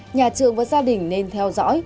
nhà trường và gia đình nên theo dõi